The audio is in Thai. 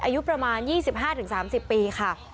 อายุประมาณ๒๕๓๐ปีค่ะ